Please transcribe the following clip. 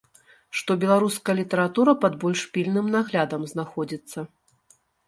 Што беларуская літаратура пад больш пільным наглядам знаходзіцца.